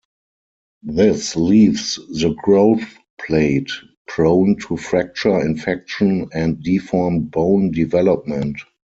This leaves the growth plate prone to fracture, infection, and deformed bone development.